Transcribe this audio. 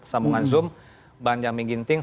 sambungan zoom ban jami ginting